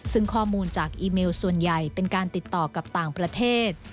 ซึ่งข้อมูลจากอีเมลส่วนใหญ่เป็นการติดต่อกับต่างประเทศ